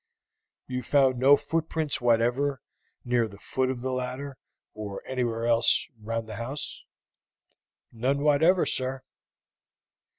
"You found no footprints whatever near the foot of the ladder, or anywhere else round the house?" "None whatever, sir."